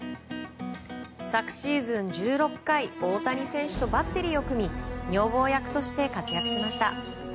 昨シーズン、１６回大谷選手とバッテリーを組み女房役として活躍しました。